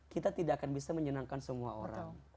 kita tidak akan bisa menyenangkan semua orang